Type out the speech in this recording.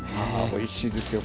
おいしいですよ